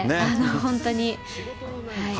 本当に、はい。